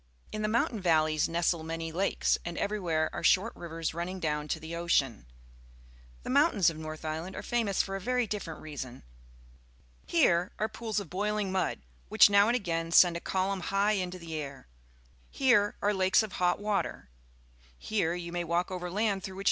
In the mountain valleys nestle many lakes, and everywhere are short rivers running down to the ocean. The mountains of North Island are fa mous for a very different reason. Here are pools of bpilingjnud, which now and again send a columnhigrrinto the air; here are lakes of hot water; here you may walk over land through which